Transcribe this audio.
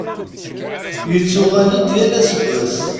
Yettuɣal-d yal aseggas.